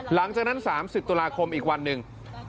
หลังจากนั้น๓๐ตุลาคมอีกวันหนึ่ง